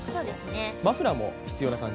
マフラーも必要な感じ？